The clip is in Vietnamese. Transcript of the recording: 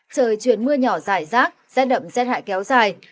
trời chuyển mưa nhỏ dài rác rét đậm rét hại kéo dài